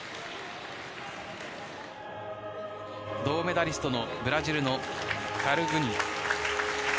銅メダリストのブラジルの選手。